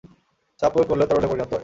চাপ প্রয়োগ করলেও তরলে পরিণত হয়।